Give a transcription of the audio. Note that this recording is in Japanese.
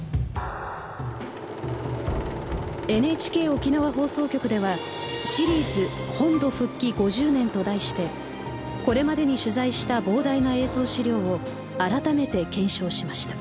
ＮＨＫ沖縄放送局では「シリーズ本土復帰５０年」と題してこれまでに取材した膨大な映像資料を改めて検証しました。